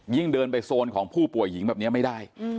เดินไปโซนของผู้ป่วยหญิงแบบนี้ไม่ได้